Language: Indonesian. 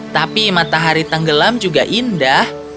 tapi matahari tenggelam juga indah